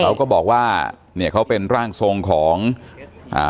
เขาก็บอกว่าเนี่ยเขาเป็นร่างทรงของอ่าแบบนี้แบบนี้